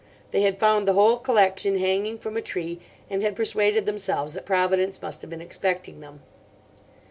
They had found the whole collection hanging from a tree, and had persuaded themselves that Providence must have been expecting them.